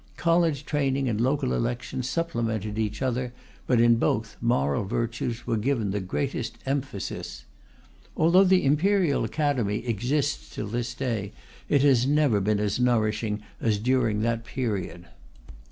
College training and local elections supplemented each other, but in both moral virtues were given the greatest emphasis. Although the Imperial Academy exists till this day, it has never been as nourishing as during that period.